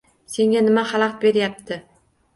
Senga nima xalaqt berayapti?